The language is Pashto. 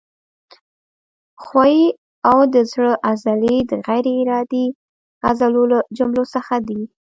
ښویې او د زړه عضلې د غیر ارادي عضلو له جملو څخه دي.